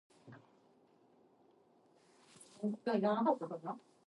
The memory and all allocated resources are left free for any further usage.